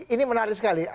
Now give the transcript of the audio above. ini menarik sekali